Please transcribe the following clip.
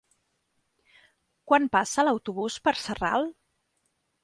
Quan passa l'autobús per Sarral?